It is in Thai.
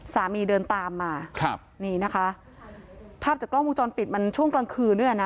สามีเดินตามมาครับนี่นะคะภาพจากกล้องวงจรปิดมันช่วงกลางคืนด้วยนะ